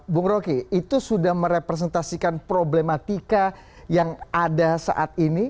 bung roky itu sudah merepresentasikan problematika yang ada saat ini